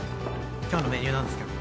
今日のメニューなんですけど。